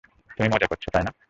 তুমি মজা করছ, তাই না।